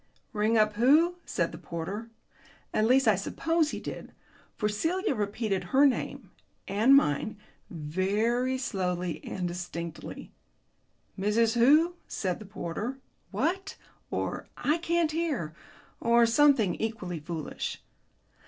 "Ring up who?" said the porter. At least I suppose he did, for Celia repeated her name (and mine) very slowly and distinctly. "Mrs. who?" said the porter, "What?" or "I can't hear," or something equally foolish.